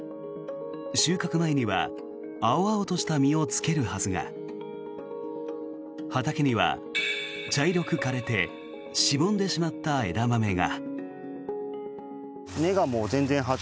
収穫前には青々とした実をつけるはずが畑には茶色く枯れてしぼんでしまった枝豆が。